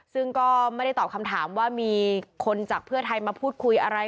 ซึ่งก็ไม่ได้ตอบคำถามว่ามีคนจากเพื่อไทยมาพูดคุยอะไร